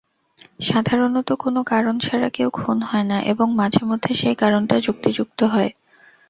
সাধারণত কোন কারন ছাড়া কেউ খুন হয়না এবং মাঝেমধ্যে সেই কারনটা যুক্তিযুক্ত হয়।